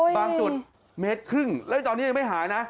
บางจุดเมตรครึ่งแล้วตอนนี้ยังไม่หายนะ